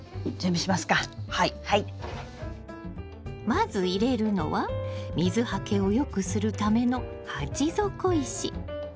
まず入れるのは水はけをよくするための鉢底石。